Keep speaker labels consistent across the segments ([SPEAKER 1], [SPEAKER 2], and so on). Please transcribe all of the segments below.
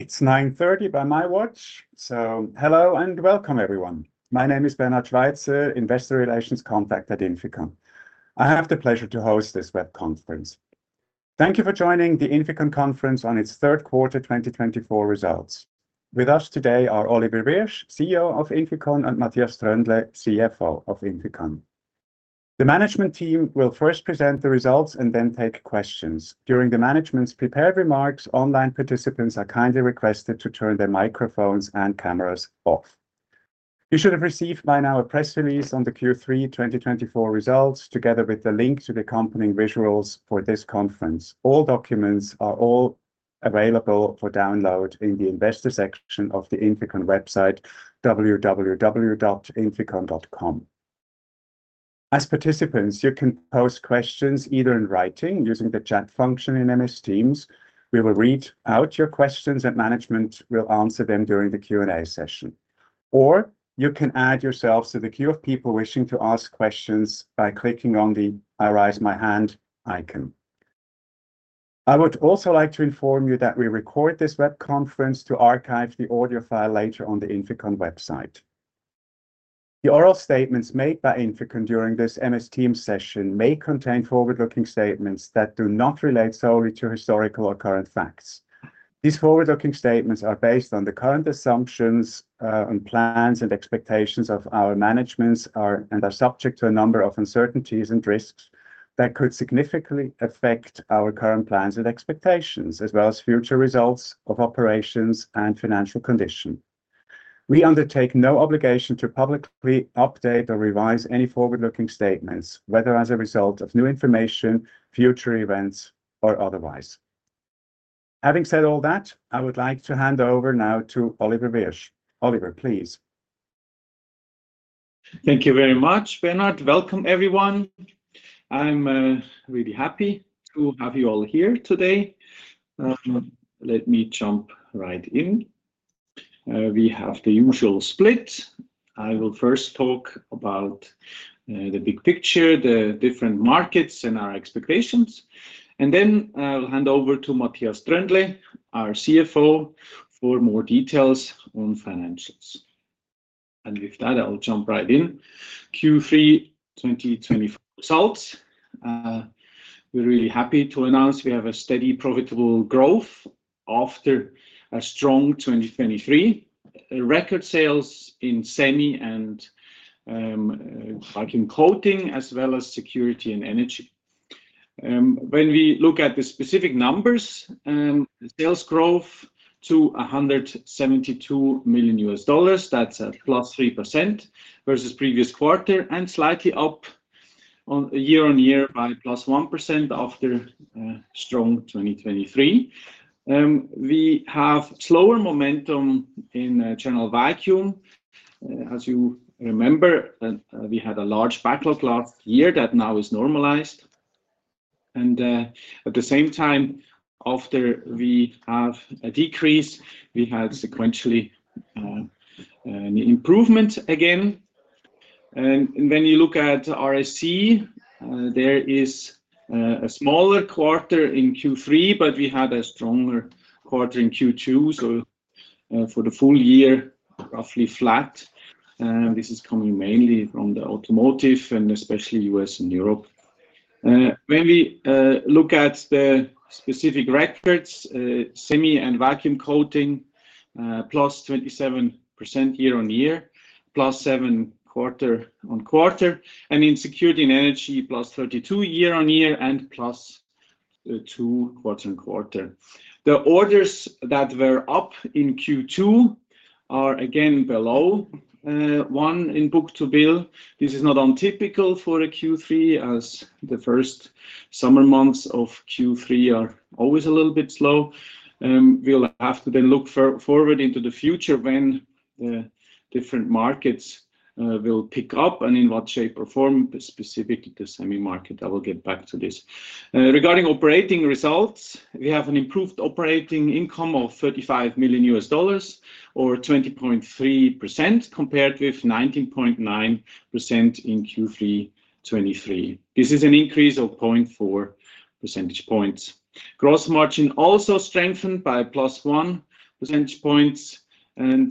[SPEAKER 1] It's 9:30 A.M. by my watch, so hello, and welcome, everyone. My name is Bernhard Schweizer, Investor Relations contact at INFICON. I have the pleasure to host this web conference. Thank you for joining the INFICON conference on its third quarter 2024 results. With us today are Oliver Wyrsch, CEO of INFICON, and Matthias Tröndle, CFO of INFICON. The management team will first present the results and then take questions. During the management's prepared remarks, online participants are kindly requested to turn their microphones and cameras off. You should have received by now a press release on the Q3 2024 results, together with the link to the accompanying visuals for this conference. All documents are available for download in the investor section of the INFICON website, www.inficon.com. As participants, you can pose questions either in writing using the chat function in MS Teams. We will read out your questions, and management will answer them during the Q&A session. Or you can add yourselves to the queue of people wishing to ask questions by clicking on the I raise my hand icon. I would also like to inform you that we record this web conference to archive the audio file later on the INFICON website. The oral statements made by INFICON during this MS Teams session may contain forward-looking statements that do not relate solely to historical or current facts. These forward-looking statements are based on the current assumptions, and plans and expectations of our management and are subject to a number of uncertainties and risks that could significantly affect our current plans and expectations, as well as future results of operations and financial condition. We undertake no obligation to publicly update or revise any forward-looking statements, whether as a result of new information, future events, or otherwise. Having said all that, I would like to hand over now to Oliver Wyrsch. Oliver, please.
[SPEAKER 2] Thank you very much, Bernhard. Welcome, everyone. I'm really happy to have you all here today. Let me jump right in. We have the usual split. I will first talk about the big picture, the different markets, and our expectations, and then I'll hand over to Matthias Tröndle, our CFO, for more details on financials, and with that, I will jump right in. Q3 2024 results. We're really happy to announce we have a steady, profitable growth after a strong 2023. Record sales in Semi & Vacuum Coating, as well as Security & Energy When we look at the specific numbers, sales growth to $172 million, that's +3% versus previous quarter, and slightly up year-on-year by +1% after a strong 2023. We have slower momentum in General Vacuum. As you remember, we had a large backlog last year that now is normalized, and at the same time, after we have a decrease, we had sequentially an improvement again. And when you look at RAC, there is a smaller quarter in Q3, but we had a stronger quarter in Q2, so for the full year, roughly flat. This is coming mainly from the Automotive and especially US and Europe. When we look at the specific sectors, Semi & Vacuum Coating, plus 27% year-on-year, plus 7% quarter on quarter, and in Security & Energy, plus 32% year-on-year and plus 2% quarter on quarter. The orders that were up in Q2 are again below 1 in book-to-bill. This is not untypical for a Q3, as the first summer months of Q3 are always a little bit slow. We'll have to then look forward into the future when the different markets will pick up and in what shape or form, specifically the semi market. I will get back to this. Regarding operating results, we have an improved operating income of $35 million, or 20.3%, compared with 19.9% in Q3 2023. This is an increase of 0.4 percentage points. Gross margin also strengthened by plus one percentage points, and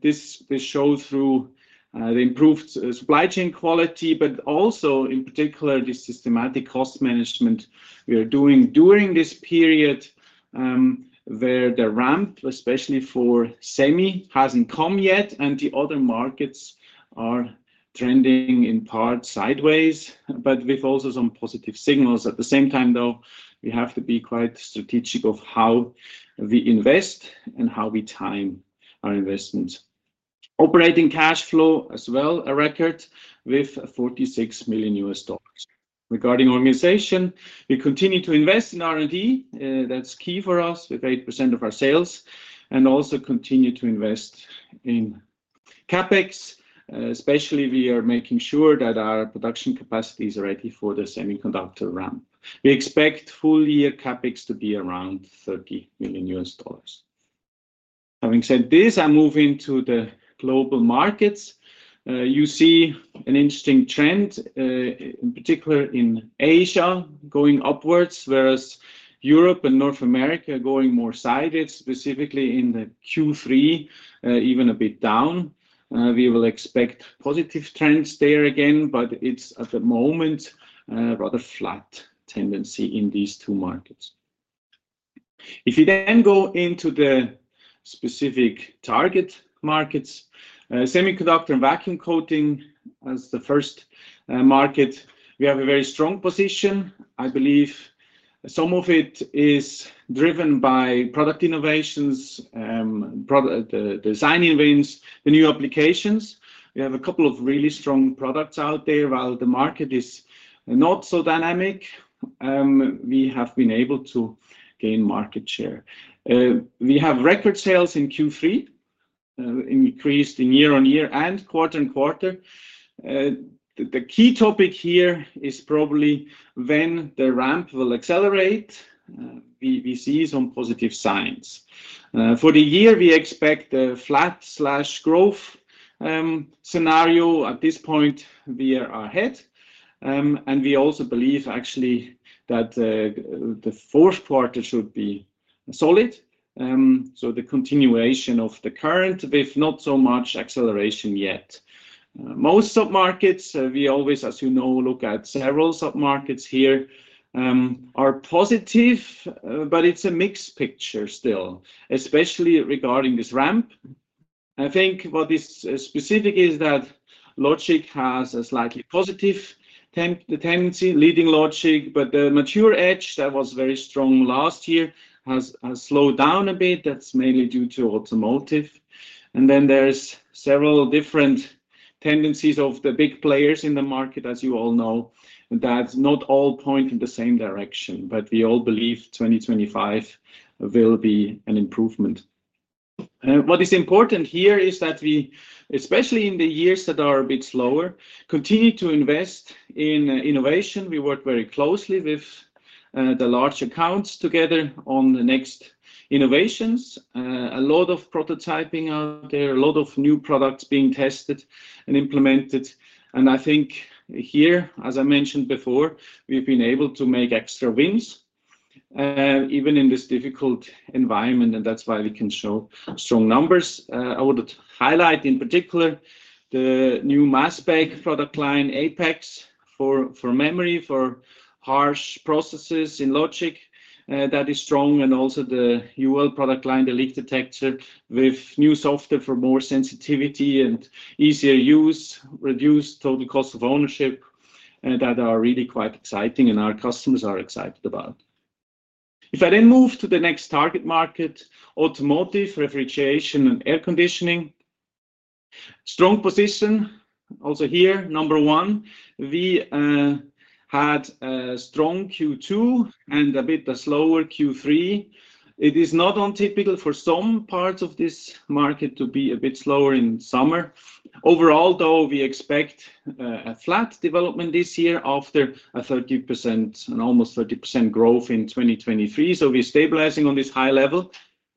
[SPEAKER 2] this shows through the improved supply chain quality, but also in particular, the systematic cost management we are doing during this period, where the ramp, especially for semi, hasn't come yet, and the other markets are trending in part sideways, but with also some positive signals. At the same time, though, we have to be quite strategic of how we invest and how we time our investment. Operating cash flow as well, a record with $46 million. Regarding organization, we continue to invest in R&D. That's key for us, with 8% of our sales, and also continue to invest in CapEx. Especially, we are making sure that our production capacity is ready for the semiconductor ramp. We expect full-year CapEx to be around $30 million. Having said this, I move into the global markets. You see an interesting trend, in particular in Asia, going upwards, whereas Europe and North America are going more sideways, specifically in the Q3, even a bit down. We will expect positive trends there again, but it's, at the moment, a rather flat tendency in these two markets. If you then go into the specific target markets, semiconductor and vacuum coating, as the first, market, we have a very strong position. I believe some of it is driven by product innovations, the design wins, the new applications. We have a couple of really strong products out there. While the market is not so dynamic, we have been able to gain market share. We have record sales in Q3, increased in year-on-year and quarter on quarter. The key topic here is probably when the ramp will accelerate. We see some positive signs. For the year, we expect a flat/growth scenario. At this point, we are ahead, and we also believe, actually, that the fourth quarter should be solid. So the continuation of the current, but if not so much acceleration yet. Most sub-markets, we always, as you know, look at several submarkets here, are positive, but it's a mixed picture still, especially regarding this ramp. I think what is specific is that logic has a slightly positive tendency, leading Logic, but the mature edge that was very strong last year has slowed down a bit. That's mainly due to Automotive. And then there's several different tendencies of the big players in the market, as you all know, that not all point in the same direction. But we all believe 2025 will be an improvement. What is important here is that we, especially in the years that are a bit slower, continue to invest in innovation. We work very closely with the large accounts together on the next innovations. A lot of prototyping out there, a lot of new products being tested and implemented, and I think here, as I mentioned before, we've been able to make extra wins, even in this difficult environment, and that's why we can show strong numbers. I would highlight, in particular, the new mass spec product line, APEX, for memory, for harsh processes in Logic, that is strong, and also the UL product line, the leak detector, with new software for more sensitivity and easier use, reduced total cost of ownership, that are really quite exciting and our customers are excited about. If I then move to the next target market, Automotive, Refrigeration, and Air Conditioning. Strong position, also here, number one, we had a strong Q2 and a bit slower Q3. It is not untypical for some parts of this market to be a bit slower in summer. Overall, though, we expect a flat development this year after a 30%, an almost 30% growth in 2023. So we're stabilizing on this high level,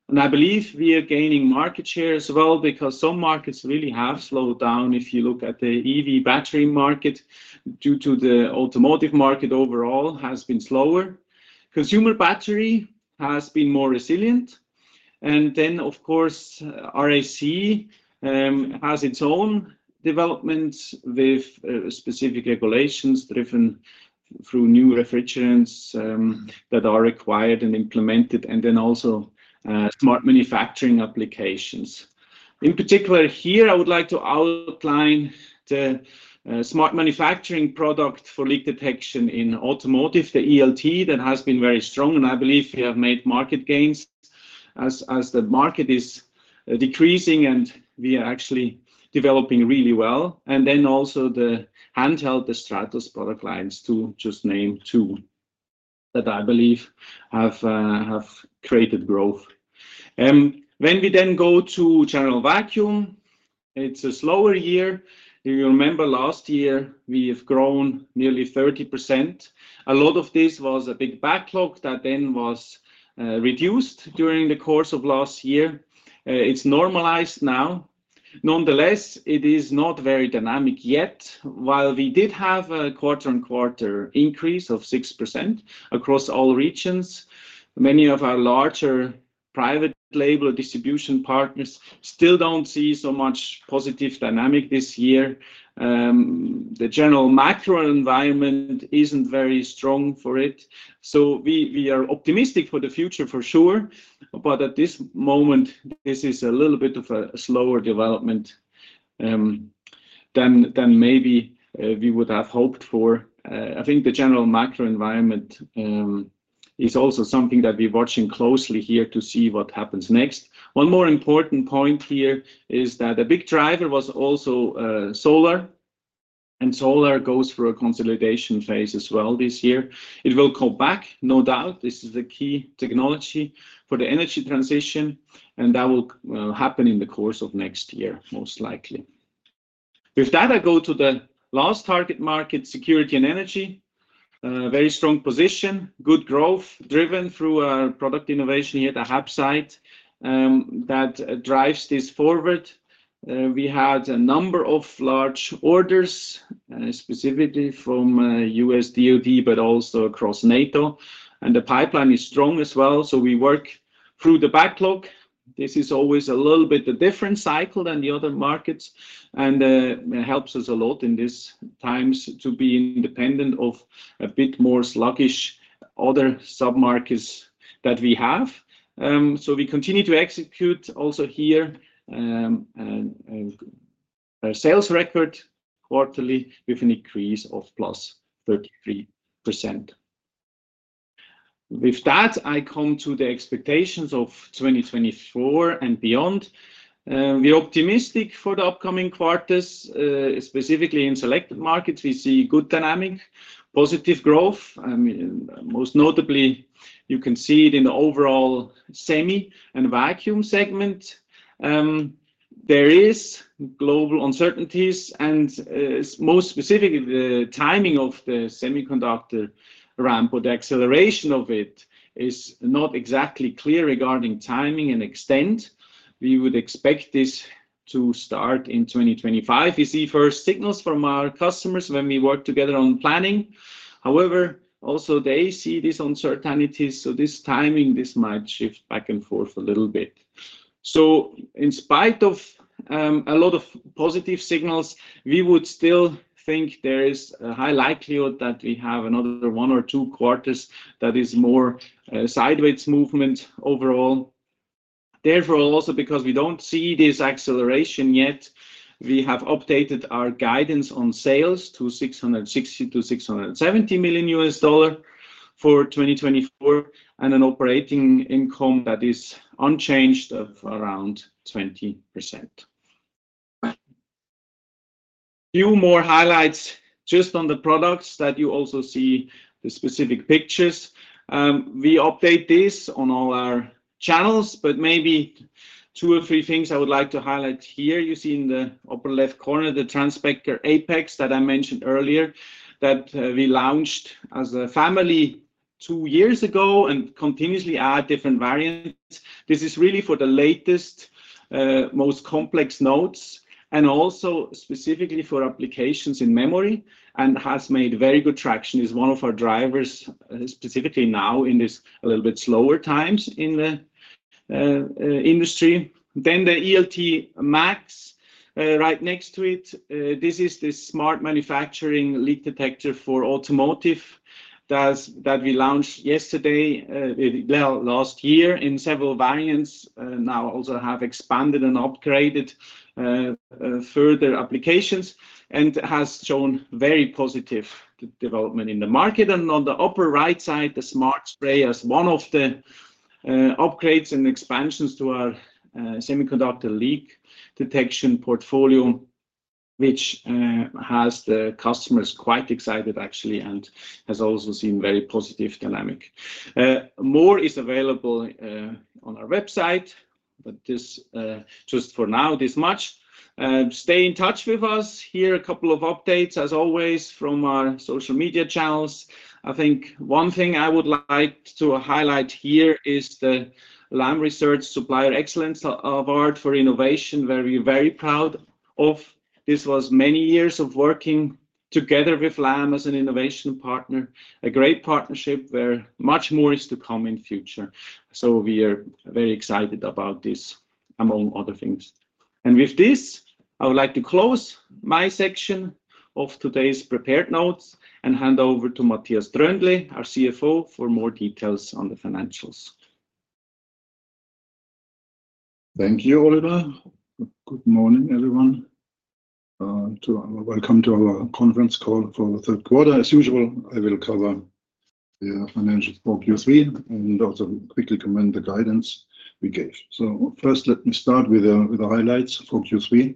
[SPEAKER 2] and I believe we are gaining market share as well, because some markets really have slowed down. If you look at the EV battery market, due to the automotive market overall, has been slower. Consumer battery has been more resilient. And then, of course, RAC has its own developments with specific regulations driven through new refrigerants that are required and implemented, and then also smart manufacturing applications. In particular here, I would like to outline the smart manufacturing product for leak detection in automotive, the ELT. That has been very strong, and I believe we have made market gains as the market is decreasing, and we are actually developing really well. And then also the handheld, the Stratus product lines, to just name two, that I believe have created growth. When we then go to General Vacuum, it's a slower year. If you remember last year, we have grown nearly 30%. A lot of this was a big backlog that then was reduced during the course of last year. It's normalized now. Nonetheless, it is not very dynamic yet. While we did have a quarter on quarter increase of 6% across all regions, many of our larger private label distribution partners still don't see so much positive dynamic this year. The general macro environment isn't very strong for it, so we are optimistic for the future for sure, but at this moment, this is a little bit of a slower development than maybe we would have hoped for. I think the general macro environment is also something that we're watching closely here to see what happens next. One more important point here is that a big driver was also solar, and solar goes through a consolidation phase as well this year. It will come back, no doubt. This is the key technology for the energy transition, and that will happen in the course of next year, most likely. With that, I go to the last target market, Security & Energy. Very strong position, good growth, driven through product innovation here at the hub site, that drives this forward. We had a number of large orders, specifically from US DoD, but also across NATO, and the pipeline is strong as well, so we work through the backlog. This is always a little bit a different cycle than the other markets, and it helps us a lot in these times to be independent of a bit more sluggish other sub-markets that we have. So we continue to execute also here, and a sales record quarterly with an increase of plus 33%. With that, I come to the expectations of 2024 and beyond. We're optimistic for the upcoming quarters. Specifically in selected markets, we see good dynamic, positive growth. Most notably, you can see it in the overall semi and vacuum segment. There is global uncertainties, and most specifically, the timing of the semiconductor ramp or the acceleration of it, is not exactly clear regarding timing and extent. We would expect this to start in 2025. We see first signals from our customers when we work together on planning. However, also they see these uncertainties, so this timing, this might shift back and forth a little bit. So in spite of a lot of positive signals, we would still think there is a high likelihood that we have another one or two quarters that is more sideways movement overall. Therefore, also because we don't see this acceleration yet, we have updated our guidance on sales to $660 million-$670 million for 2024, and an operating income that is unchanged of around 20%. Few more highlights just on the products that you also see the specific pictures. We update this on all our channels, but maybe two or three things I would like to highlight here. You see in the upper left corner, the Transpector APEX that I mentioned earlier, that we launched as a family two years ago and continuously add different variants. This is really for the latest, most complex nodes, and also specifically for applications in memory, and has made very good traction. It's one of our drivers, specifically now in this a little bit slower times in the industry. Then the ELT Max, right next to it. This is the smart manufacturing leak detector for automotive that we launched yesterday, well, last year in several variants. Now also have expanded and upgraded further applications, and has shown very positive development in the market. And on the upper right side, the Smart Spray as one of the upgrades and expansions to our semiconductor leak detection portfolio, which has the customers quite excited, actually, and has also seen very positive dynamic. More is available on our website, but this just for now, this much. Stay in touch with us. Here are a couple of updates, as always, from our social media channels. I think one thing I would like to highlight here is the Lam Research Supplier Excellence Award for Innovation, very, very proud of. This was many years of working together with Lam as an innovation partner, a great partnership where much more is to come in future. So we are very excited about this, among other things. With this, I would like to close my section of today's prepared notes and hand over to Matthias Tröndle, our CFO, for more details on the financials.
[SPEAKER 3] Thank you, Oliver. Good morning, everyone. Welcome to our conference call for the third quarter. As usual, I will cover the financials for Q3, and also quickly comment the guidance we gave. So first, let me start with the highlights for Q3.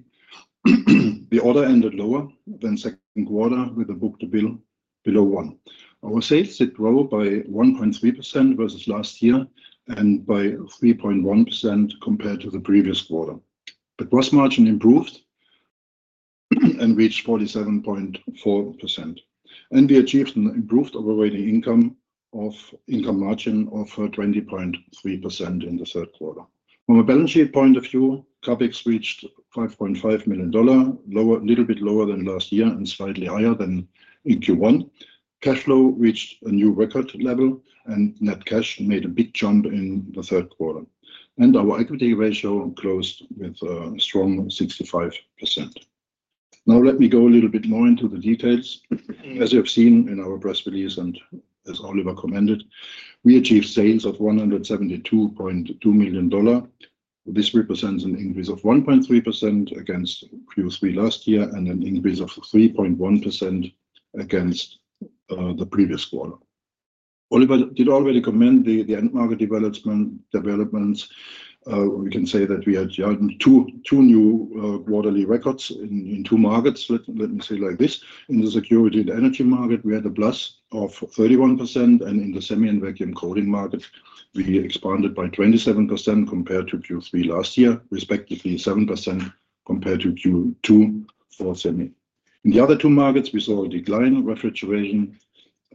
[SPEAKER 3] Orders ended lower than second quarter, with the book-to-bill below one. Our sales did grow by 1.3% versus last year, and by 3.1% compared to the previous quarter. But gross margin improved, and reached 47.4%, and we achieved an improved operating income margin of 20.3% in the third quarter. From a balance sheet point of view, CapEx reached $5.5 million, little bit lower than last year and slightly higher than in Q1. Cash flow reached a new record level, and net cash made a big jump in the third quarter, and our equity ratio closed with a strong 65%. Now let me go a little bit more into the details. As you have seen in our press release, and as Oliver commented, we achieved sales of $172.2 million. This represents an increase of 1.3% against Q3 last year, and an increase of 3.1% against the previous quarter. Oliver did already comment the end market developments. We can say that we had two new quarterly records in two markets. Let me say it like this, in theSecurity & Energy market, we had a plus of 31%, and in the Semi & Vacuum Coating market. We expanded by 27% compared to Q3 last year, respectively 7% compared to Q2 for semi. In the other two markets, we saw a decline in Refrigeration,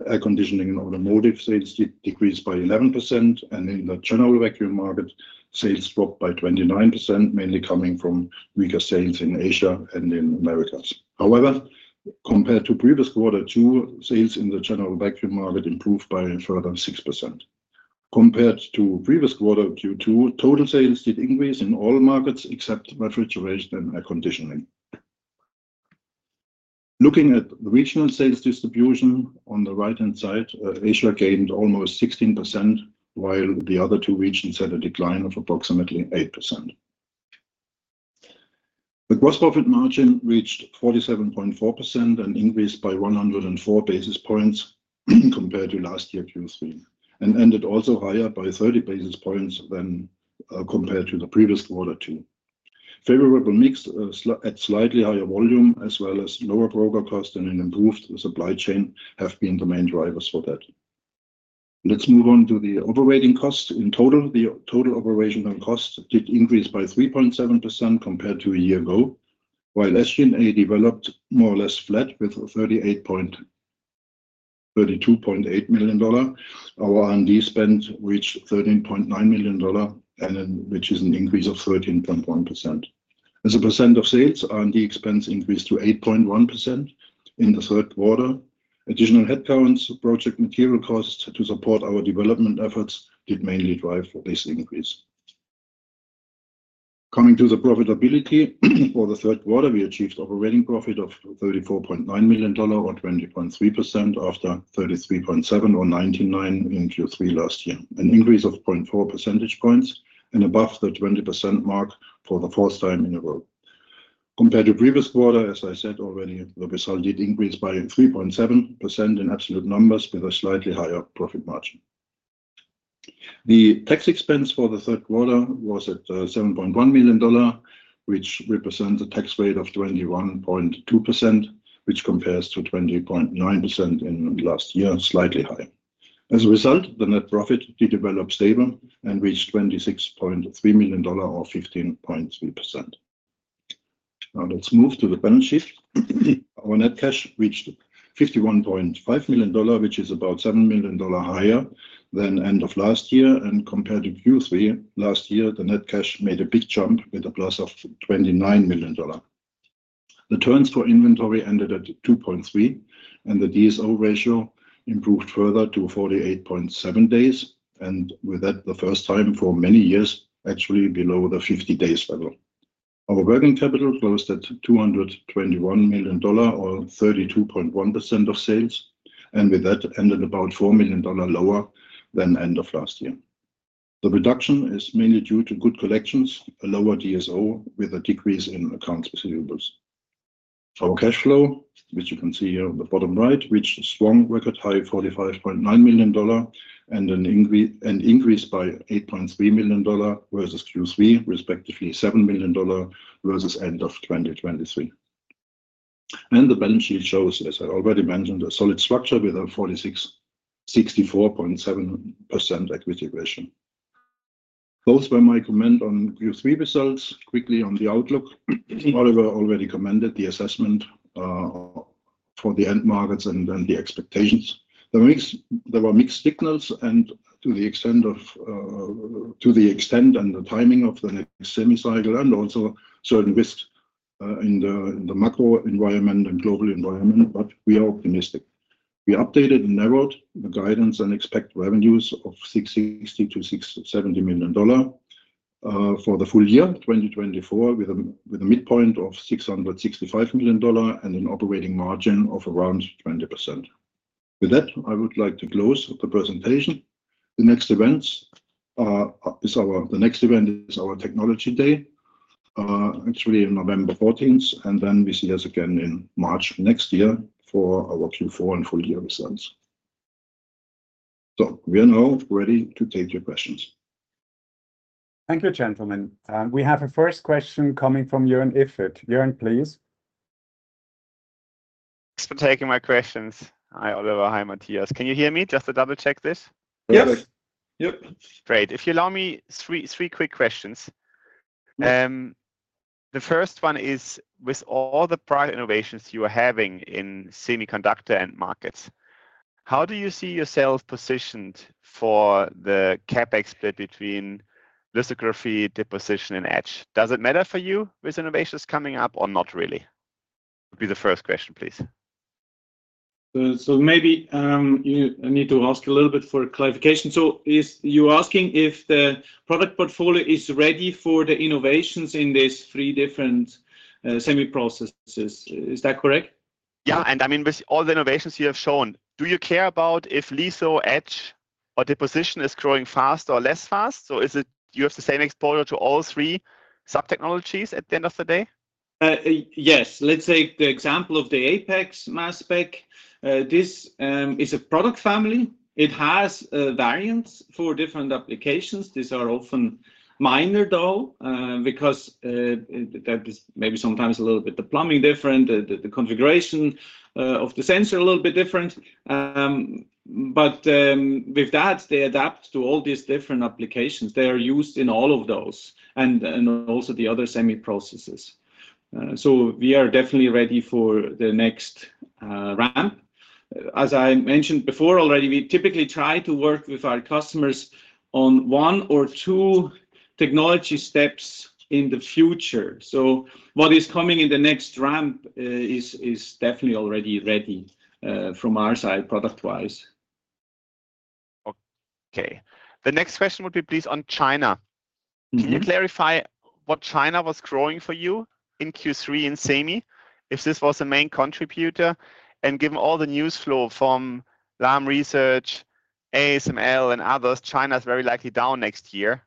[SPEAKER 3] Air Conditioning and automotive sales decreased by 11%, and in the General Vacuum market, sales dropped by 29%, mainly coming from weaker sales in Asia and in Americas. However, compared to previous quarter, Q2 sales in the General Vacuum market improved by a further 6%. Compared to previous quarter, Q2, total sales did increase in all markets except refrigeration and air conditioning. Looking at the regional sales distribution, on the right-hand side, Asia gained almost 16%, while the other two regions had a decline of approximately 8%. The gross profit margin reached 47.4% and increased by 104 basis points compared to last year, Q3, and ended also higher by 30 basis points than compared to the previous quarter two. Favorable mix, slightly higher volume, as well as lower broker cost and an improved supply chain, have been the main drivers for that. Let's move on to the operating costs. In total, the total operational costs did increase by 3.7% compared to a year ago, while SG&A developed more or less flat with $32.8 million. Our R&D spend reached $13.9 million, which is an increase of 13.1%. As a percent of sales, R&D expense increased to 8.1% in the third quarter. Additional headcounts, project material costs to support our development efforts, did mainly drive for this increase. Coming to the profitability, for the third quarter, we achieved operating profit of $34.9 million, or 20.3% after $33.7 million or 19.9% in Q3 last year, an increase of 0.4 percentage points and above the 20% mark for the fourth time in a row. Compared to previous quarter, as I said already, the result did increase by 3.7% in absolute numbers with a slightly higher profit margin. The tax expense for the third quarter was at $7.1 million, which represents a tax rate of 21.2%, which compares to 20.9% in last year, slightly high. As a result, the net profit did develop stable and reached $26.3 million, or 15.3%. Now let's move to the balance sheet. Our net cash reached $51.5 million, which is about $7 million higher than end of last year, and compared to Q3 last year, the net cash made a big jump with a plus of $29 million. The turns for inventory ended at 2.3, and the DSO ratio improved further to 48.7 days, and with that, the first time for many years, actually below the 50 days level. Our working capital closed at $221 million, or 32.1% of sales, and with that, ended about $4 million lower than end of last year. The reduction is mainly due to good collections, a lower DSO, with a decrease in accounts receivables. Our cash flow, which you can see here on the bottom right, reached a strong record high of $45.9 million and an increase by $8.3 million, versus Q3, respectively $7 million versus end of 2023. The balance sheet shows, as I already mentioned, a solid structure with a 64.7% equity ratio. Those were my comment on Q3 results. Quickly on the outlook, Oliver already commented the assessment for the end markets and the expectations. There were mixed signals and to the extent of, to the extent and the timing of the next semi cycle, and also certain risks in the macro environment and global environment, but we are optimistic. We updated and narrowed the guidance and expect revenues of $660-$670 million for the full year 2024, with a midpoint of $665 million and an operating margin of around 20%. With that, I would like to close the presentation. The next event is our Technology Day, actually on November 14, and then we'll see you again in March next year for our Q4 and full year results. So we are now ready to take your questions.
[SPEAKER 1] Thank you, gentlemen. We have a first question coming from Jörn Iffert. Jörn, please. Thanks for taking my questions. Hi, Oliver. Hi, Matthias. Can you hear me? Just to double-check this.
[SPEAKER 3] Yes.
[SPEAKER 2] Yep. Great. If you allow me three quick questions. The first one is, with all the product innovations you are having in semiconductor end markets, how do you see yourselves positioned for the CapEx split between lithography, deposition, and etch? Does it matter for you, with innovations coming up or not really? Would be the first question, please. So maybe, you, I need to ask a little bit for clarification. So you're asking if the product portfolio is ready for the innovations in these three different semi processes? Is that correct? Yeah, and I mean, with all the innovations you have shown, do you care about if litho, etch, or deposition is growing fast or less fast? So is it you have the same exposure to all three sub-technologies at the end of the day? Yes, let's take the example of the APEX mass spec. This is a product family. It has variants for different applications. These are often minor though, because that is maybe sometimes a little bit the plumbing different, the configuration of the sensor a little bit different. But with that, they adapt to all these different applications. They are used in all of those, and also the other semi processes. So we are definitely ready for the next ramp. As I mentioned before already, we typically try to work with our customers on one or two technology steps in the future. So what is coming in the next ramp is definitely already ready from our side, product-wise. Okay. The next question would be, please, on China. Can you clarify what China was growing for you in Q3 in semi, if this was the main contributor? And given all the news flow from Lam Research, ASML, and others, China is very likely down next year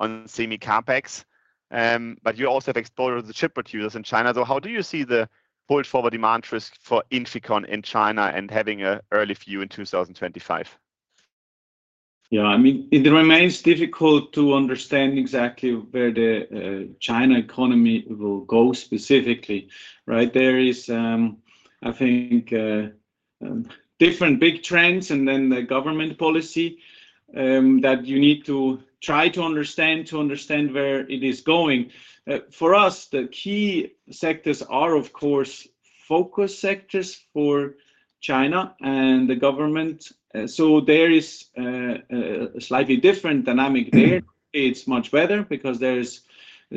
[SPEAKER 2] on semi CapEx. But you also have exposure to the chip producers in China. So how do you see the pull forward demand risk for INFICON in China and having an early view in two thousand and twenty-five? Yeah, I mean, it remains difficult to understand exactly where the China economy will go specifically, right? There is, I think, different big trends, and then the government policy that you need to try to understand, to understand where it is going. For us, the key sectors are, of course, focus sectors for China and the government. So there is a slightly different dynamic there. It's much better because there's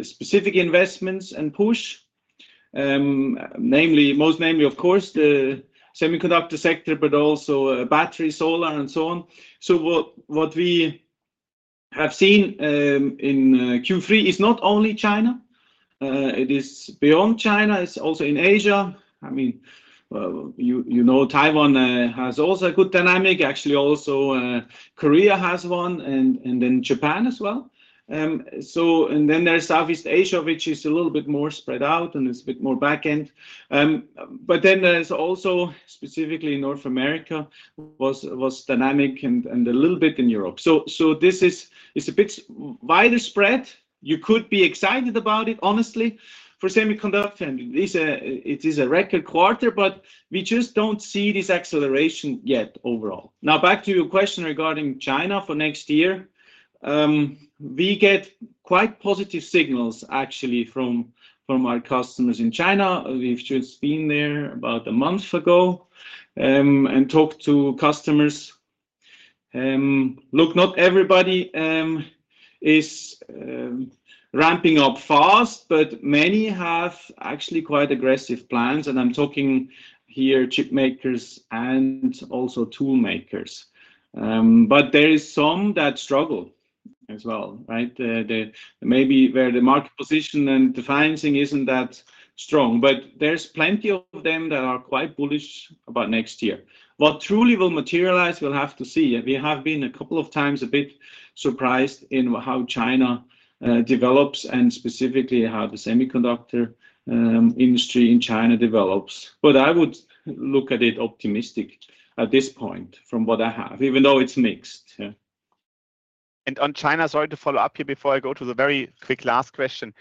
[SPEAKER 2] specific investments and push, namely, of course, the semiconductor sector, but also battery, solar, and so on. So what we have seen in Q3 is not only China, it is beyond China, it's also in Asia. I mean, you know, Taiwan has also a good dynamic, actually, also Korea has one, and then Japan as well. And then there's Southeast Asia, which is a little bit more spread out, and it's a bit more back end. But then there's also, specifically, North America was dynamic and a little bit in Europe. So this is, it's a bit widespread. You could be excited about it, honestly, for semiconductor, and this it is a record quarter, but we just don't see this acceleration yet overall. Now, back to your question regarding China for next year. We get quite positive signals, actually, from our customers in China. We've just been there about a month ago and talked to customers. Look, not everybody is ramping up fast, but many have actually quite aggressive plans, and I'm talking here, chip makers and also tool makers. But there is some that struggle as well, right? Maybe where the market position and the financing isn't that strong, but there's plenty of them that are quite bullish about next year. What truly will materialize, we'll have to see. We have been a couple of times a bit surprised in how China develops, and specifically how the semiconductor industry in China develops. But I would look at it optimistic at this point from what I have, even though it's mixed, yeah. And on China, sorry to follow up here before I go to the very quick last question.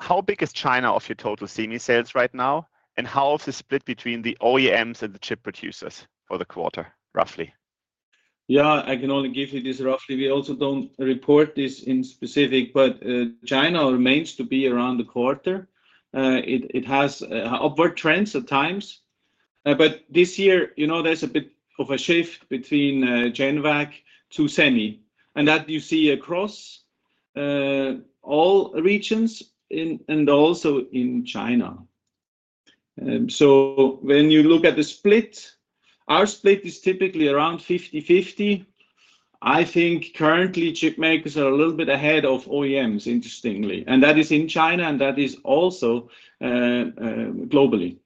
[SPEAKER 2] How big is China of your total semi sales right now? And how is the split between the OEMs and the chip producers for the quarter, roughly? Yeah, I can only give you this roughly. We also don't report this in specific, but China remains to be around the quarter. It has upward trends at times, but this year, you know, there's a bit of a shift between GenVac to Semi, and that you see across all regions and also in China. So when you look at the split, our split is typically around 50/50. I think currently, chip makers are a little bit ahead of OEMs, interestingly, and that is in China, and that is also globally.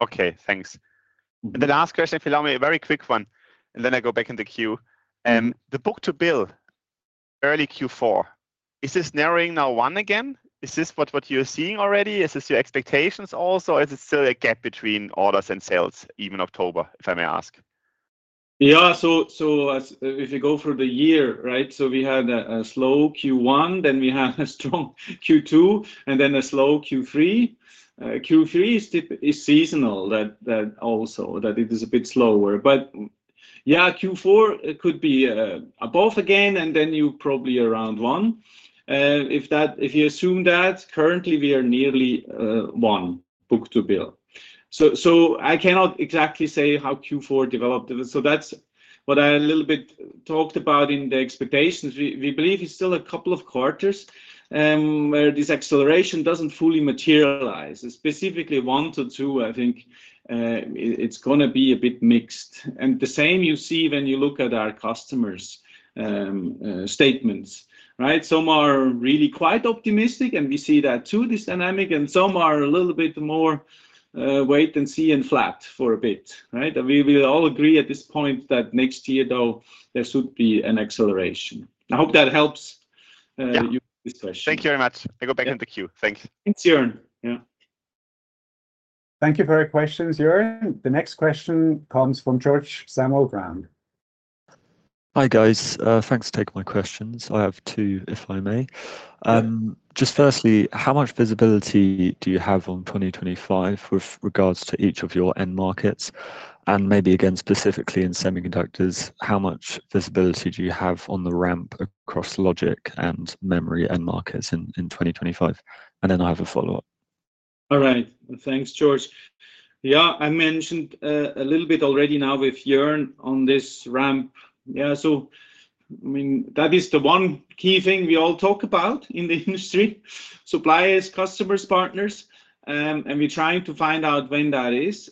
[SPEAKER 2] Okay, thanks. The last question, if you allow me, a very quick one, and then I go back in the queue. The book-to-bill, early Q4, is this narrowing now one again? Is this what, what you're seeing already? Is this your expectations also, or is it still a gap between orders and sales, even October, if I may ask? Yeah, so as if you go through the year, right, so we had a slow Q1, then we had a strong Q2, and then a slow Q3. Q3 is typically seasonal, that it is also a bit slower. But yeah, Q4, it could be above again, and then you probably around one. If you assume that, currently, we are nearly one book-to-bill. So I cannot exactly say how Q4 developed. So that's what I a little bit talked about in the expectations. We believe it's still a couple of quarters where this acceleration doesn't fully materialize. Specifically, one to two, I think, it's gonna be a bit mixed. And the same you see when you look at our customers' statements, right? Some are really quite optimistic, and we see that, too, this dynamic, and some are a little bit more, wait and see and flat for a bit, right? We will all agree at this point that next year, though, there should be an acceleration. I hope that helps. Yeah. You with this question. Thank you very much. I go back in the queue. Thanks.
[SPEAKER 1] Thanks, Jörn. Yeah... Thank you for your questions, Jörn. The next question comes from George Samuel Brown. Hi, guys. Thanks for taking my questions. I have two, if I may.
[SPEAKER 2] Yeah. Just firstly, how much visibility do you have on twenty twenty-five with regards to each of your end markets? And maybe again, specifically in semiconductors, how much visibility do you have on the ramp across Logic and memory end markets in twenty twenty-five? And then I have a follow-up. All right, thanks, George. Yeah, I mentioned a little bit already now with Jörn on this ramp. Yeah, so I mean, that is the one key thing we all talk about in the industry, suppliers, customers, partners, and we're trying to find out when that is.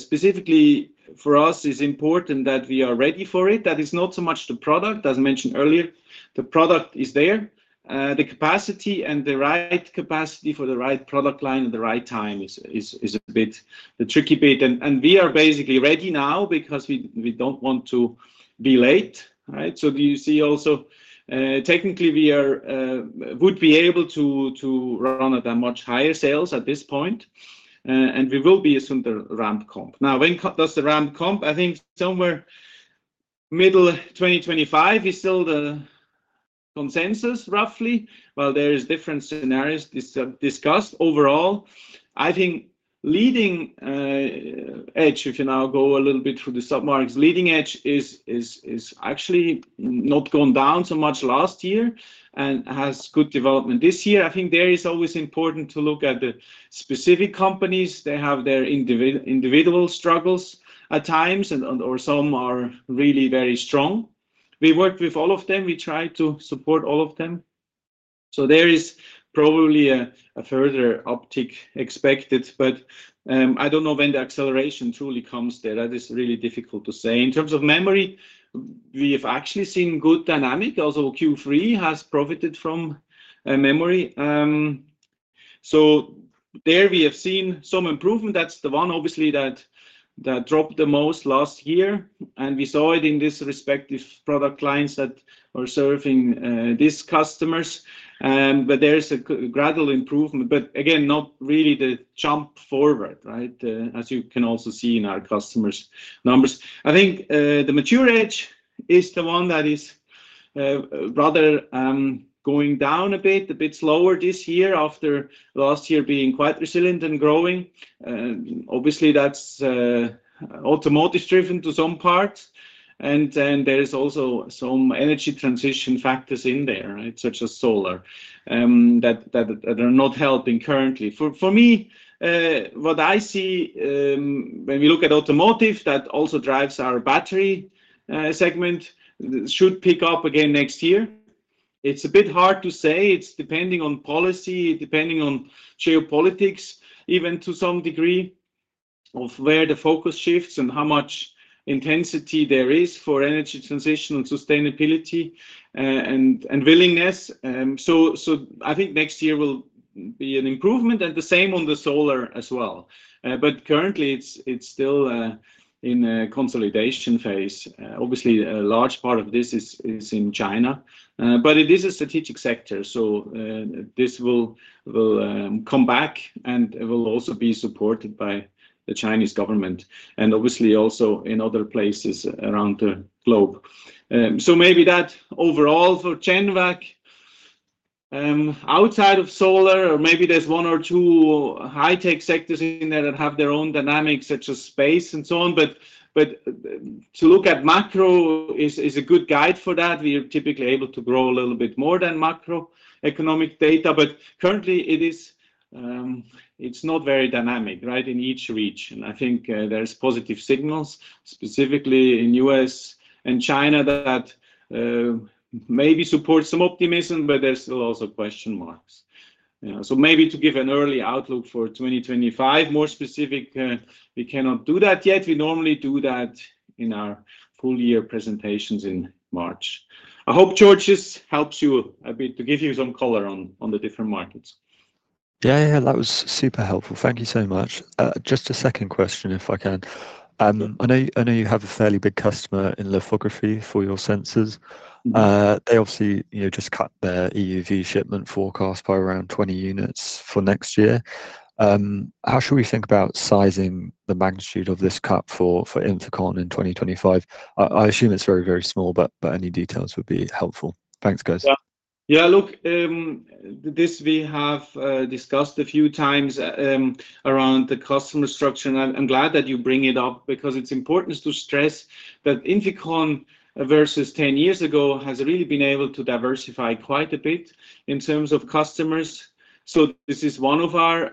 [SPEAKER 2] Specifically for us, it's important that we are ready for it. That is not so much the product, as mentioned earlier, the product is there. The capacity and the right capacity for the right product line at the right time is a bit the tricky bit, and we are basically ready now because we don't want to be late, right? So do you see also, technically we are would be able to run at a much higher sales at this point, and we will be as soon the ramp comp. Now, when does the ramp come? I think somewhere middle 2025 is still the consensus, roughly. There is different scenarios discussed. Overall, I think leading edge, if you now go a little bit through the sub-markets, leading edge is actually not gone down so much last year and has good development this year. I think there is always important to look at the specific companies. They have their individual struggles at times, and or some are really very strong. We work with all of them, we try to support all of them. So there is probably a further uptick expected, but I don't know when the acceleration truly comes there. That is really difficult to say. In terms of memory, we have actually seen good dynamic. Also, Q3 has profited from memory. So there we have seen some improvement. That's the one obviously that dropped the most last year, and we saw it in this respective product lines that are serving these customers. But there is a gradual improvement, but again, not really the jump forward, right? As you can also see in our customers' numbers. I think the mature edge is the one that is rather going down a bit slower this year after last year being quite resilient and growing. Obviously, that's automotive driven to some parts, and then there is also some energy transition factors in there, right, such as solar that are not helping currently. For me, what I see when we look at automotive, that also drives our battery segment, should pick up again next year. It's a bit hard to say. It's depending on policy, depending on geopolitics, even to some degree, of where the focus shifts and how much intensity there is for energy transition and sustainability, and willingness. So I think next year will be an improvement and the same on the solar as well. But currently, it's still in a consolidation phase. Obviously, a large part of this is in China, but it is a strategic sector, so this will come back and it will also be supported by the Chinese government, and obviously, also in other places around the globe. So maybe that overall, for GenVac, outside of solar, or maybe there's one or two high-tech sectors in there that have their own dynamics, such as space and so on. But to look at macro is a good guide for that. We are typically able to grow a little bit more than macroeconomic data, but currently it is, it's not very dynamic, right? In each region, I think, there's positive signals, specifically in U.S. and China, that maybe support some optimism, but there's still lots of question marks. So maybe to give an early outlook for 2025, more specific, we cannot do that yet. We normally do that in our full year presentations in March. I hope, George, this helps you a bit to give you some color on the different markets. Yeah, yeah, that was super helpful. Thank you so much. Just a second question, if I can. I know, I know you have a fairly big customer in lithography for your sensors. They obviously, you know, just cut their EUV shipment forecast by around 20 units for next year. How should we think about sizing the magnitude of this cut for INFICON in 2025? I assume it's very, very small, but any details would be helpful. Thanks, guys. Yeah. Yeah, look, this we have discussed a few times around the customer structure, and I'm glad that you bring it up because it's important to stress that INFICON, versus ten years ago, has really been able to diversify quite a bit in terms of customers. So this is one of our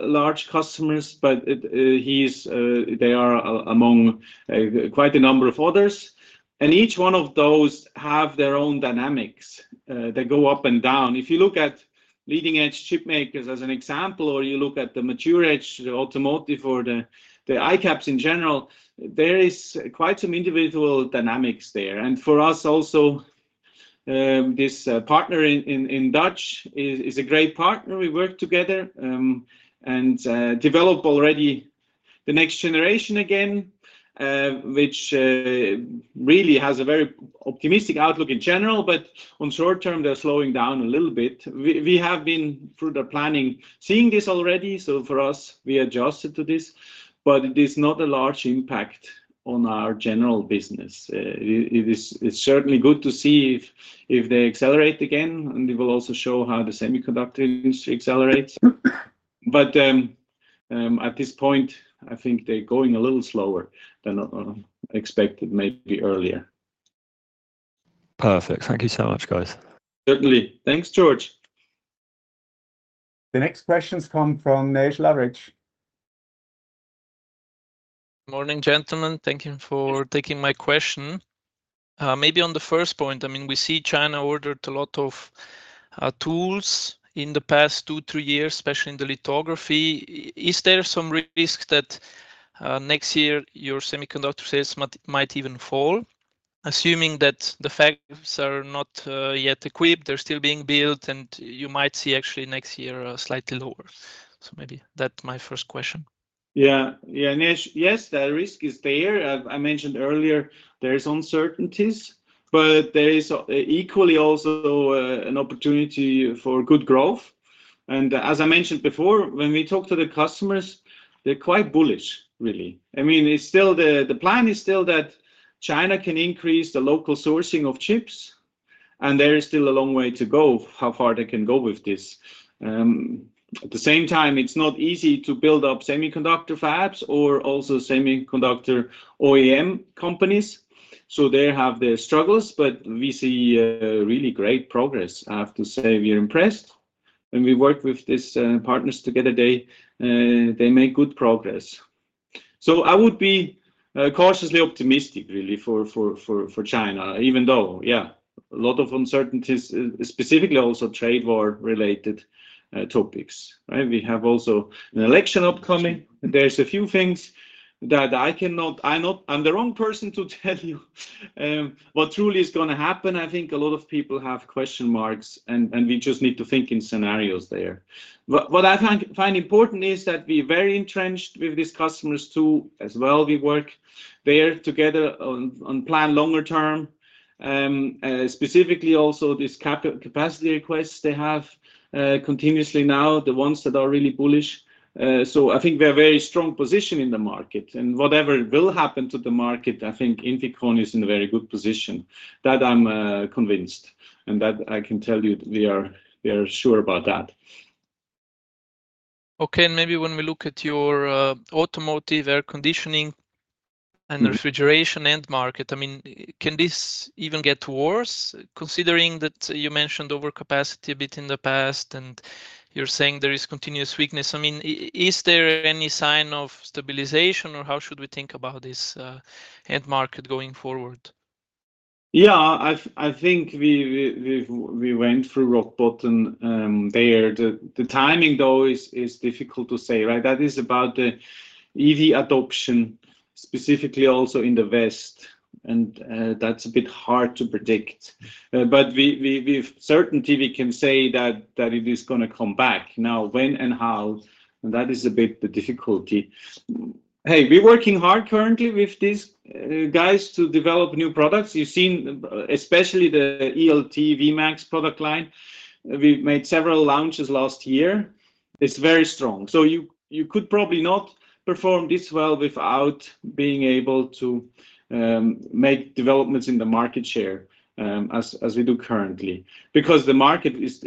[SPEAKER 2] large customers, but it, he's, they are among quite a number of others, and each one of those have their own dynamics. They go up and down. If you look at leading-edge chip makers as an example, or you look at the mature edge, the automotive or the ICAPS in general, there is quite some individual dynamics there. For us also, this partner in Dutch is a great partner. We work together and develop already-... The next generation again, which really has a very optimistic outlook in general, but on short term, they're slowing down a little bit. We have been through the planning, seeing this already, so for us, we adjusted to this, but it is not a large impact on our general business. It is certainly good to see if they accelerate again, and it will also show how the semiconductor industry accelerates. But at this point, I think they're going a little slower than expected, maybe earlier. Perfect. Thank you so much, guys. Certainly. Thanks, George.
[SPEAKER 1] The next questions come from Nejc Lipovec. Morning, gentlemen. Thank you for taking my question. Maybe on the first point, I mean, we see China ordered a lot of tools in the past two, three years, especially in the lithography. Is there some risk that next year, your semiconductor sales might even fall? Assuming that the fabs are not yet equipped, they're still being built, and you might see actually next year slightly lower. So maybe that's my first question.
[SPEAKER 2] Yeah. Yeah, Nejc, yes, the risk is there. I mentioned earlier there is uncertainties, but there is equally also an opportunity for good growth. And as I mentioned before, when we talk to the customers, they're quite bullish, really. I mean, it's still the plan is still that China can increase the local sourcing of chips, and there is still a long way to go, how far they can go with this. At the same time, it's not easy to build up semiconductor fabs or also semiconductor OEM companies, so they have their struggles, but we see really great progress. I have to say, we are impressed, and we work with these partners together. They make good progress. So I would be cautiously optimistic, really, for China, even though, yeah, a lot of uncertainties, specifically also trade war-related topics, right? We have also an election upcoming. There's a few things that I cannot. I'm not. I'm the wrong person to tell you what truly is gonna happen. I think a lot of people have question marks, and we just need to think in scenarios there. But what I find important is that we're very entrenched with these customers, too, as well. We work there together on plan longer term. Specifically also, this capacity requests they have continuously now, the ones that are really bullish. So I think we're very strong position in the market, and whatever will happen to the market, I think INFICON is in a very good position. That I'm convinced, and that I can tell you we are sure about that. Okay, and maybe when we look at your automotive air conditioning and refrigeration end market, I mean, can this even get worse, considering that you mentioned overcapacity a bit in the past, and you're saying there is continuous weakness? I mean, is there any sign of stabilization, or how should we think about this end market going forward? Yeah, I think we went through rock bottom there. The timing, though, is difficult to say, right? That is about the EV adoption, specifically also in the West, and that's a bit hard to predict. But we have certainty, we can say that it is gonna come back. Now, when and how, that is a bit the difficulty. Hey, we're working hard currently with these guys to develop new products. You've seen, especially the ELT Max product line, we've made several launches last year. It's very strong. So you could probably not perform this well without being able to make developments in the market share as we do currently, because the market is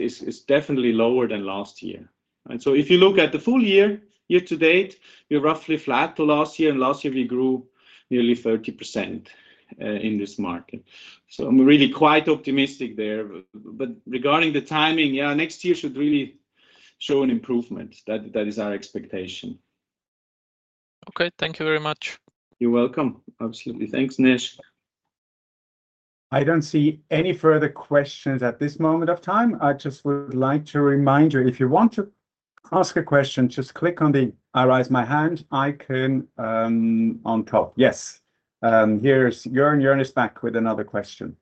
[SPEAKER 2] definitely lower than last year. And so if you look at the full year, year to date, we're roughly flat to last year, and last year, we grew nearly 30% in this market. So I'm really quite optimistic there. But regarding the timing, yeah, next year should really show an improvement. That is our expectation. Okay. Thank you very much. You're welcome. Absolutely. Thanks, Nejc.
[SPEAKER 1] I don't see any further questions at this moment of time. I just would like to remind you, if you want to ask a question, just click on the I Raise My Hand icon, on top. Yes, here's Jörn. Jörn is back with another question.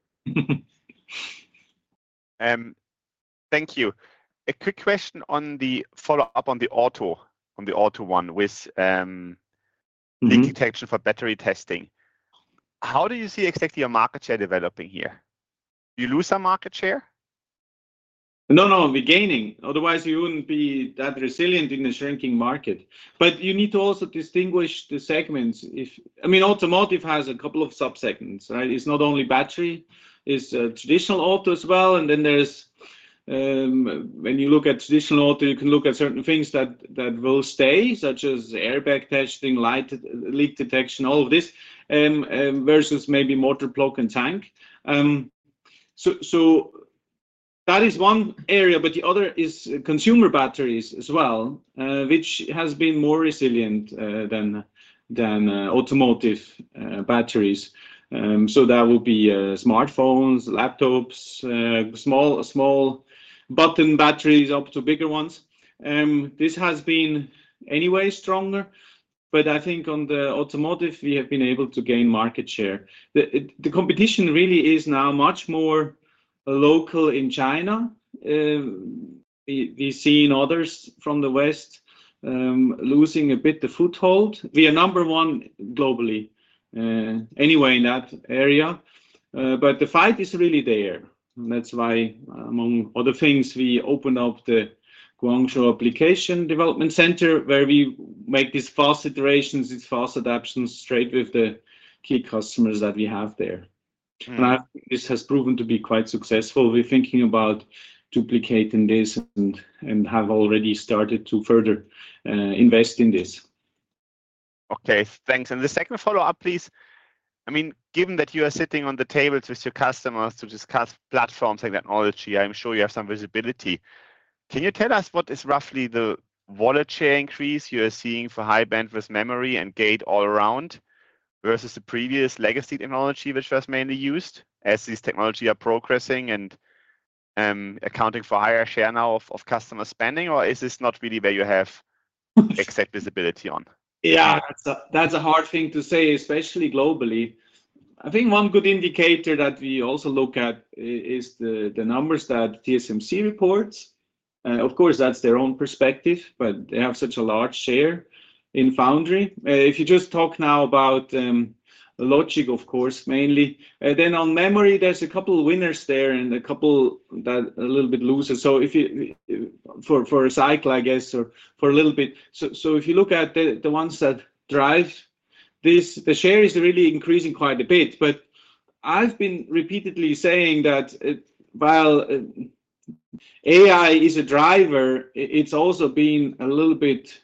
[SPEAKER 1] Thank you. A quick question on the follow-up on the auto one with, leak detection for battery testing. How do you see exactly your market share developing here? You lose some market share?
[SPEAKER 2] No, no, we're gaining. Otherwise, you wouldn't be that resilient in a shrinking market. But you need to also distinguish the segments. I mean, automotive has a couple of subsegments, right? It's not only battery, it's traditional auto as well, and then there's when you look at traditional auto, you can look at certain things that will stay, such as airbag testing, light leak detection, all of this versus maybe motor block and tank. So that is one area, but the other is consumer batteries as well, which has been more resilient than automotive batteries. So that would be smartphones, laptops, small button batteries up to bigger ones. This has been anyway stronger, but I think on the automotive, we have been able to gain market share. The competition really is now much more local in China. We've seen others from the West losing a bit the foothold. We are number one globally anyway in that area. But the fight is really there, and that's why, among other things, we opened up the Guangzhou Application Development Center, where we make these fast iterations, these fast adaptations, straight with the key customers that we have there. Okay. This has proven to be quite successful. We're thinking about duplicating this, and have already started to further invest in this. Okay, thanks. And the second follow-up, please, I mean, given that you are sitting on the tables with your customers to discuss platforms and technology, I'm sure you have some visibility. Can you tell us what is roughly the wallet share increase you are seeing for High Bandwidth Memory and Gate-All-Around, versus the previous legacy technology, which was mainly used, as these technology are progressing and accounting for a higher share now of customer spending? Or is this not really where you have exact visibility on? Yeah, that's a hard thing to say, especially globally. I think one good indicator that we also look at is the numbers that TSMC reports. Of course, that's their own perspective, but they have such a large share in foundry. If you just talk now about Logic, of course, mainly, then on memory, there's a couple of winners there and a couple that are a little bit looser. So for a cycle, I guess, or for a little bit. So if you look at the ones that drive this, the share is really increasing quite a bit. But I've been repeatedly saying that while AI is a driver, it's also been a little bit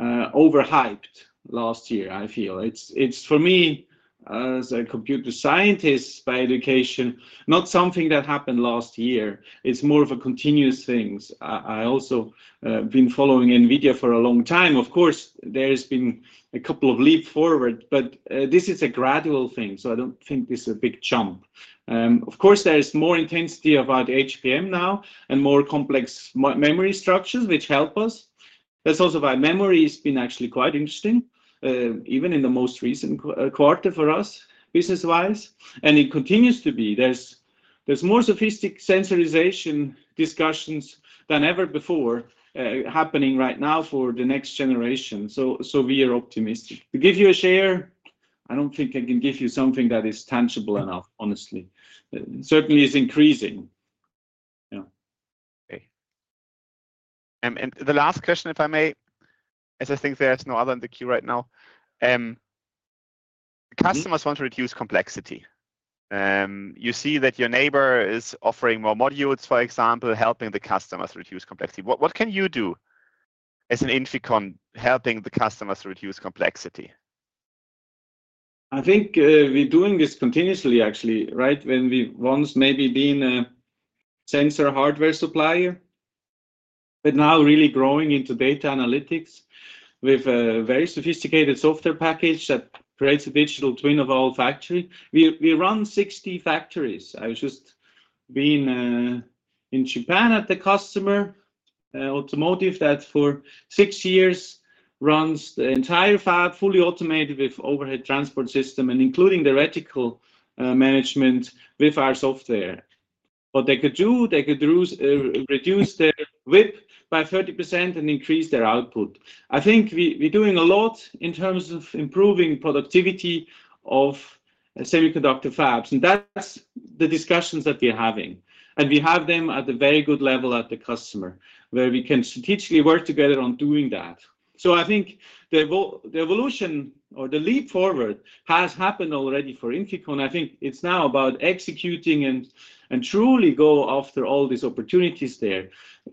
[SPEAKER 2] overhyped last year, I feel. It's for me, as a computer scientist by education, not something that happened last year. It's more of a continuous thing. I also been following NVIDIA for a long time. Of course, there's been a couple of leaps forward, but this is a gradual thing, so I don't think this is a big jump. Of course, there is more intensity about HBM now and more complex memory structures, which help us. That's also why memory has been actually quite interesting, even in the most recent quarter for us, business-wise, and it continues to be. There's more sophisticated sensorization discussions than ever before happening right now for the next generation, so we are optimistic. To give you a share, I don't think I can give you something that is tangible enough, honestly. Certainly, it's increasing. Yeah. Okay. And the last question, if I may, as I think there is no other in the queue right now, customers want to reduce complexity. You see that your neighbor is offering more modules, for example, helping the customers reduce complexity. What, what can you do as an INFICON, helping the customers reduce complexity? I think we're doing this continuously, actually, right? When we once maybe been a sensor hardware supplier, but now really growing into data analytics with a very sophisticated software package that creates a digital twin of all factory. We run 60 factories. I've just been in Japan at a customer, automotive, that for 6 years runs the entire fab, fully automated with overhead transport system and including the reticle management with our software. What they could do, they could reduce their WIP by 30% and increase their output. I think we're doing a lot in terms of improving productivity of semiconductor fabs, and that's the discussions that we're having. We have them at a very good level at the customer, where we can strategically work together on doing that. So I think the evolution or the leap forward has happened already for INFICON. I think it's now about executing and truly go after all these opportunities there.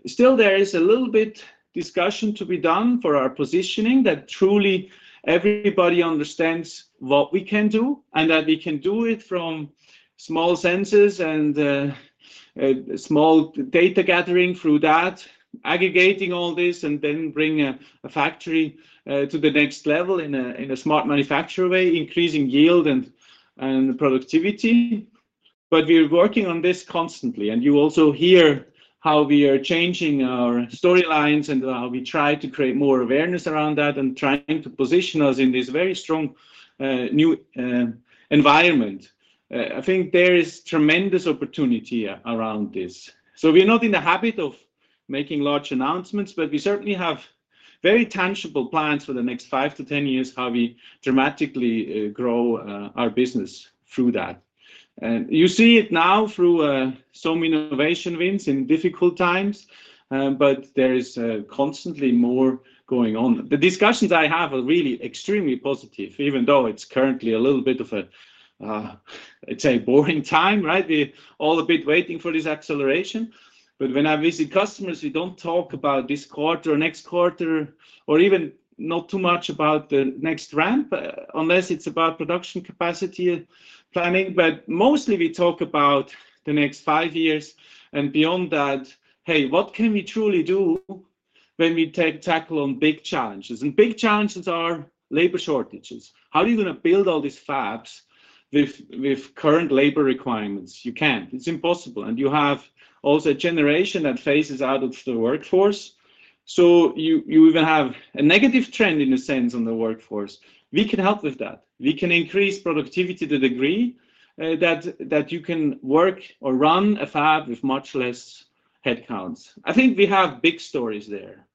[SPEAKER 2] Still, there is a little bit discussion to be done for our positioning, that truly everybody understands what we can do, and that we can do it from small sensors and small data gathering through that, aggregating all this, and then bring a factory to the next level in a smart manufacturing way, increasing yield and productivity. But we're working on this constantly, and you also hear how we are changing our storylines and how we try to create more awareness around that and trying to position us in this very strong new environment. I think there is tremendous opportunity around this. So we're not in the habit of making large announcements, but we certainly have very tangible plans for the next five to ten years, how we dramatically grow our business through that. You see it now through some innovation wins in difficult times, but there is constantly more going on. The discussions I have are really extremely positive, even though it's currently a little bit of a, let's say, a boring time, right? We're all a bit waiting for this acceleration. But when I visit customers, we don't talk about this quarter or next quarter, or even not too much about the next ramp, unless it's about production capacity planning. But mostly, we talk about the next five years and beyond that, "Hey, what can we truly do when we tackle on big challenges?" And big challenges are labor shortages. How are you gonna build all these fabs with current labor requirements? You can't. It's impossible. You have also a generation that phases out of the workforce, so you even have a negative trend, in a sense, on the workforce. We can help with that. We can increase productivity to degree that you can work or run a fab with much less headcounts. I think we have big stories there.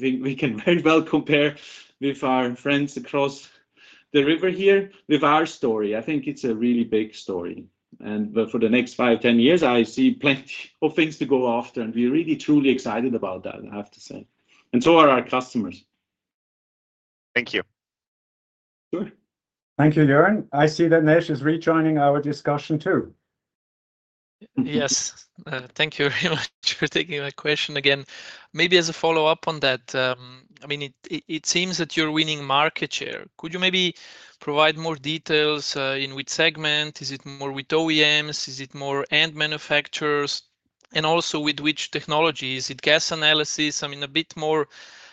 [SPEAKER 2] We can very well compare with our friends across the river here with our story. I think it's a really big story, and but for the next five, ten years, I see plenty of things to go after, and we're really truly excited about that, I have to say, and so are our customers. Thank you. Sure.
[SPEAKER 3] Thank you, Jörn. I see that Nejc is rejoining our discussion, too. Yes. Thank you very much for taking my question again. Maybe as a follow-up on that, I mean, it seems that you're winning market share. Could you maybe provide more details in which segment? Is it more with OEMs? Is it more end manufacturers, and also, with which technology? Is it gas analysis? I mean, a bit more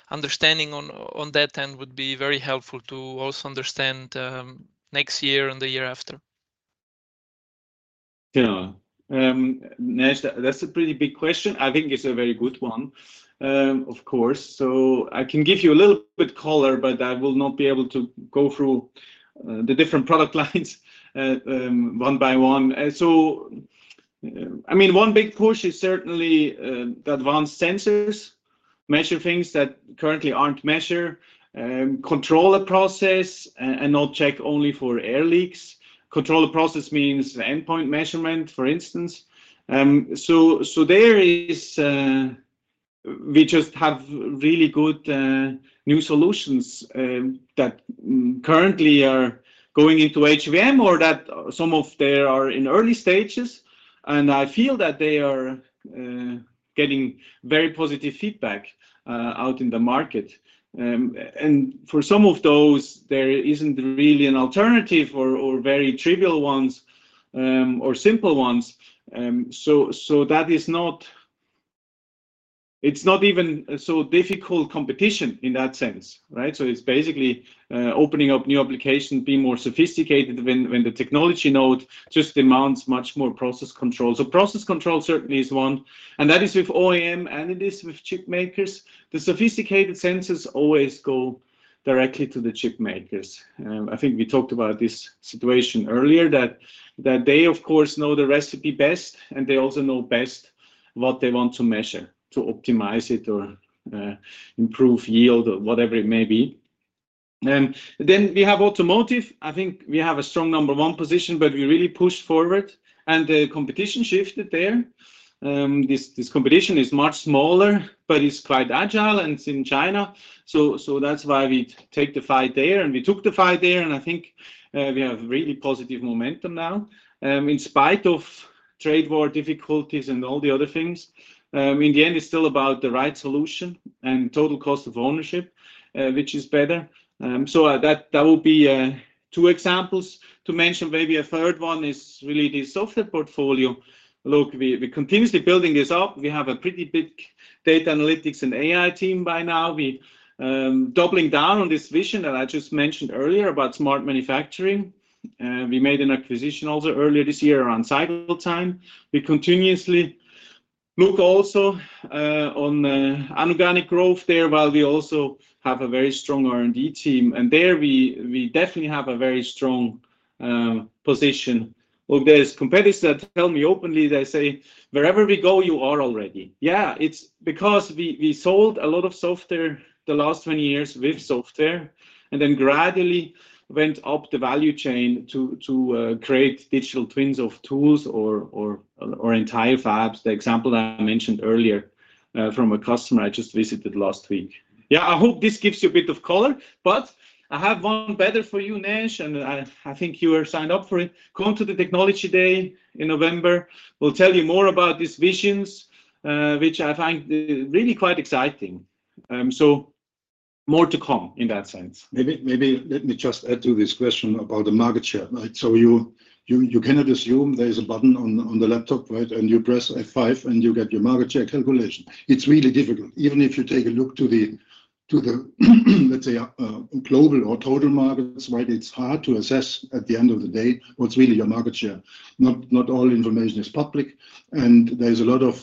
[SPEAKER 3] understanding on that end would be very helpful to also understand next year and the year after.
[SPEAKER 2] Yeah. Nejc, that's a pretty big question. I think it's a very good one, of course. So I can give you a little bit color, but I will not be able to go through the different product lines one by one. So, I mean, one big push is certainly the advanced sensors, measure things that currently aren't measured, control the process, and not check only for air leaks. Control the process means the endpoint measurement, for instance. So, there is, we just have really good new solutions that currently are going into HVM or that some of they are in early stages, and I feel that they are getting very positive feedback out in the market. And for some of those, there isn't really an alternative or very trivial ones or simple ones. So that is not, It's not even so difficult competition in that sense, right? So it's basically opening up new application, being more sophisticated when the technology node just demands much more process control. So process control certainly is one, and that is with OEM, and it is with chip makers. The sophisticated sensors always go directly to the chip makers. I think we talked about this situation earlier, that they, of course, know the recipe best, and they also know best what they want to measure to optimize it or improve yield or whatever it may be. And then we have automotive. I think we have a strong number one position, but we really pushed forward, and the competition shifted there. This, this competition is much smaller, but it's quite agile, and it's in China, so that's why we take the fight there, and we took the fight there, and I think we have really positive momentum now. In spite of trade war difficulties and all the other things, in the end, it's still about the right solution and total cost of ownership, which is better, so that will be two examples to mention. Maybe a third one is really the software portfolio. Look, we, we're continuously building this up. We have a pretty big data analytics and AI team by now. We doubling down on this vision that I just mentioned earlier about smart manufacturing. We made an acquisition also earlier this year around cycle time. We continuously look also on inorganic growth there, while we also have a very strong R&D team, and there we definitely have a very strong position. Well, there are competitors that tell me openly. They say, "Wherever we go, you are already." Yeah, it's because we sold a lot of software the last twenty years with software, and then gradually went up the value chain to create digital twins of tools or entire fabs. The example that I mentioned earlier from a customer I just visited last week. Yeah, I hope this gives you a bit of color, but I have one better for you, Nejc, and I think you are signed up for it. Come to the Technology Day in November. We'll tell you more about these visions, which I find really quite exciting. So more to come in that sense.
[SPEAKER 3] Maybe let me just add to this question about the market share, right? So you cannot assume there is a button on the laptop, right, and you press F5, and you get your market share calculation. It's really difficult, even if you take a look to the, let's say, global or total markets, right? It's hard to assess, at the end of the day, what's really your market share. Not all information is public, and there's a lot of,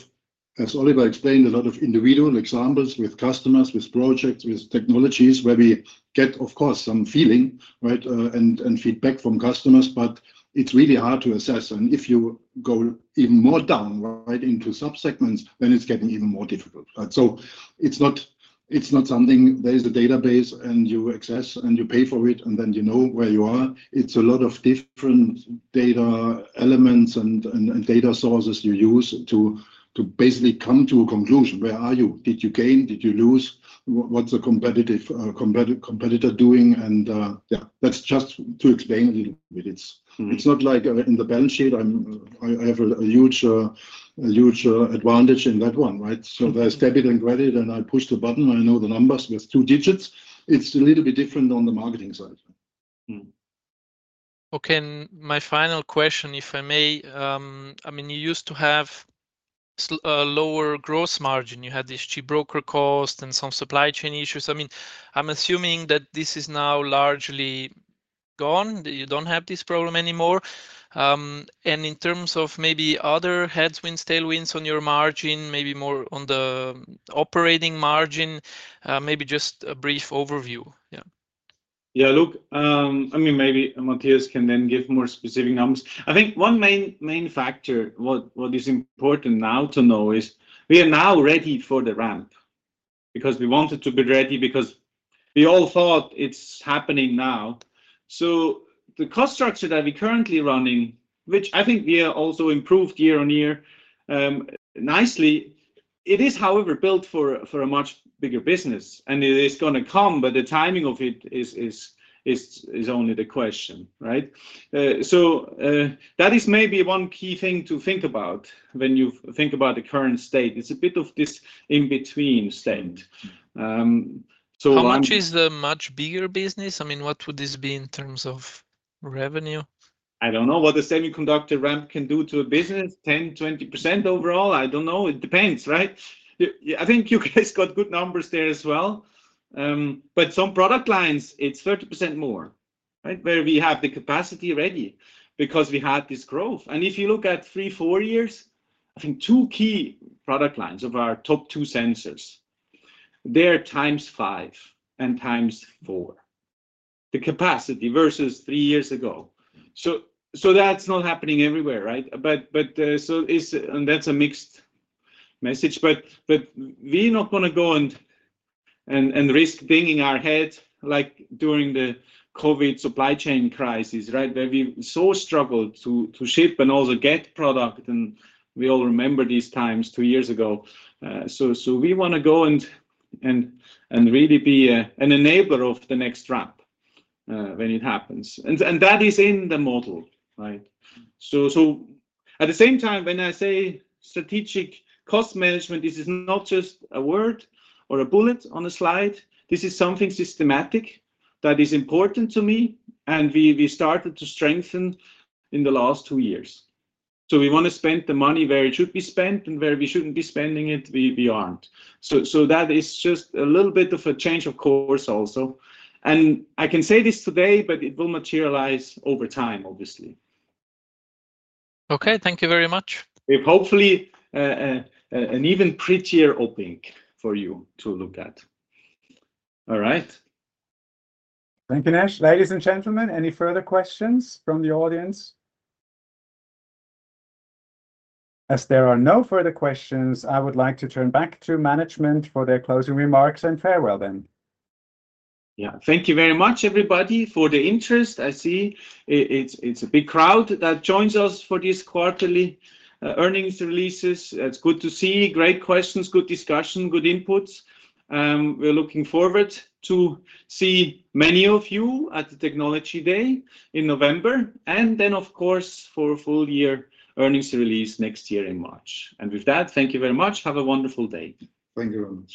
[SPEAKER 3] as Oliver explained, a lot of individual examples with customers, with projects, with technologies, where we get, of course, some feeling, right, and feedback from customers, but it's really hard to assess, and if you go even more down, right, into subsegments, then it's getting even more difficult. So it's not something there is a database, and you access, and you pay for it, and then you know where you are. It's a lot of different data elements and data sources you use to basically come to a conclusion. Where are you? Did you gain? Did you lose? What's the competitive competitor doing? Yeah, that's just to explain a little bit. It's not like in the balance sheet, I have a huge advantage in that one, right? So there's debit and credit, and I push the button, I know the numbers with two digits. It's a little bit different on the marketing side. Okay, and my final question, if I may, I mean, you used to have lower gross margin. You had this chip broker cost and some supply chain issues. I mean, I'm assuming that this is now largely gone. You don't have this problem anymore. And in terms of maybe other headwinds, tailwinds on your margin, maybe more on the operating margin, maybe just a brief overview, yeah.
[SPEAKER 2] Yeah, look, I mean, maybe Matthias can then give more specific numbers. I think one main factor, what is important now to know is we are now ready for the ramp. Because we wanted to be ready, because we all thought it's happening now. So the cost structure that we're currently running, which I think we are also improved year-on-year, nicely, it is, however, built for a much bigger business, and it is gonna come, but the timing of it is only the question, right? So that is maybe one key thing to think about when you think about the current state. It's a bit of this in-between state. So- How much is the much bigger business? I mean, what would this be in terms of revenue? I don't know what the semiconductor ramp can do to a business, 10-20% overall? I don't know. It depends, right? I think you guys got good numbers there as well. But some product lines, it's 30% more, right? Where we have the capacity ready because we had this growth. And if you look at 3-4 years, I think two key product lines of our top two sensors, they're times five and times four, the capacity versus 3 years ago. So that's not happening everywhere, right? But so it's and that's a mixed message, but we're not gonna go and risk banging our head like during the COVID supply chain crisis, right? Where we so struggled to ship and also get product, and we all remember these times 2 years ago. So we wanna go and really be an enabler of the next ramp when it happens. And that is in the model, right? So at the same time, when I say strategic cost management, this is not just a word or a bullet on a slide. This is something systematic that is important to me, and we started to strengthen in the last two years. So we wanna spend the money where it should be spent, and where we shouldn't be spending it, we aren't. So that is just a little bit of a change of course, also. And I can say this today, but it will materialize over time, obviously. Okay, thank you very much. With hopefully an even prettier opening for you to look at. All right.
[SPEAKER 1] Thank you, Nejc. Ladies and gentlemen, any further questions from the audience? As there are no further questions, I would like to turn back to management for their closing remarks and farewell then.
[SPEAKER 2] Yeah. Thank you very much, everybody, for the interest. I see it, it's a big crowd that joins us for this quarterly earnings releases. It's good to see. Great questions, good discussion, good inputs. We're looking forward to see many of you at the Technology Day in November, and then, of course, for a full year earnings release next year in March. And with that, thank you very much. Have a wonderful day. Thank you very much.